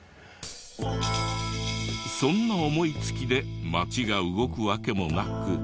そんな思いつきで町が動くわけもなく。